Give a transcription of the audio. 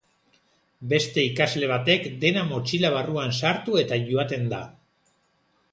Beste ikasle batek dena motxila barruan sartu eta joaten da.